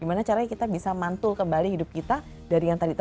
gimana caranya kita bisa mantul kembali hidup kita dari yang tadi